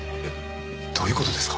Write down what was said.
どういう事ですか？